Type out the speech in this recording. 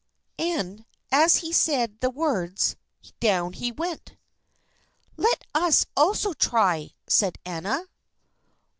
And as he said the words, down he went. "Let us also try," said Anna.